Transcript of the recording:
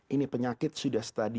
ini penyakit sudah stabil